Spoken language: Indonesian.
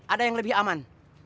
ada yang lebih aman